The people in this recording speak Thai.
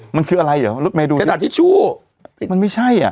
มันคืออะไรเหรอรถเมดูขนาดทิชชู่มันไม่ใช่อ่ะ